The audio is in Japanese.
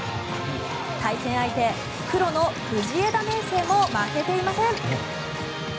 対戦相手、黒の藤枝明誠も負けていません。